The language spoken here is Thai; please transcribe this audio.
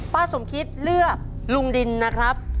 สมคิตเลือกลุงดินนะครับ